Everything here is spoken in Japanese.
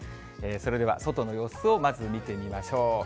それでは、外の様子を、まず見てみましょう。